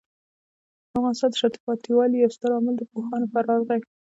د افغانستان د شاته پاتې والي یو ستر عامل د پوهانو فرار دی.